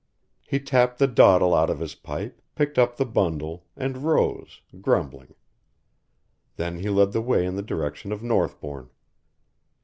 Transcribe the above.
'" He tapped the dottle out of his pipe, picked up the bundle, and rose grumbling. Then he led the way in the direction of Northbourne.